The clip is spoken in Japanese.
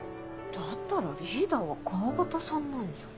だったらリーダーは川端さんなんじゃ。